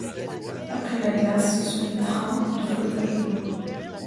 Après la glace, ce sont les trains de flottage de bois.